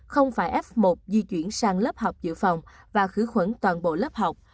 không phải f một di chuyển sang lớp học dự phòng và khử khuẩn toàn bộ lớp học